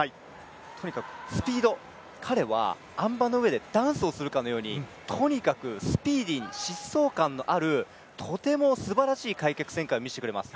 とにかくスピード彼はあん馬の上でダンスをするかのようにとにかくスピーディーに疾走感のあるとてもすばらしい開脚旋回を見せてくれます。